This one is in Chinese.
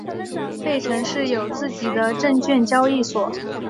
费城市有自己的证券交易所。